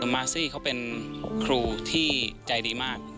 มาซี่เขาเป็นครูที่ใจดีมาก